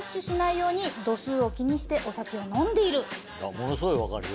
ものすごい分かるよ。